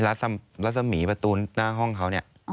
รัศมีร์ประตูหน้าห้องเขาเนี่ย